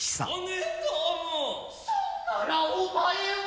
そんならお前は。